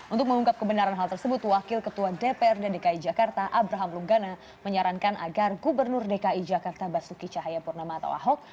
untuk mengungkap kebenaran hal tersebut wakil ketua dprd dki jakarta abraham lunggana menyarankan agar gubernur dki jakarta basuki cahayapurnama atau ahok